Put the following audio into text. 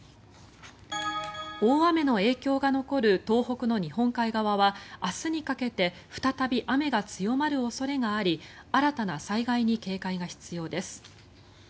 大雨の影響が残る東北の日本海側は明日にかけて再び雨が強まる恐れがあり新たな災害に警戒が必要です。